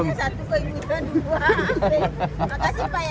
makasih pak ya